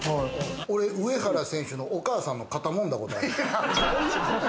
俺、上原選手のお母さんの肩揉んだことあるで。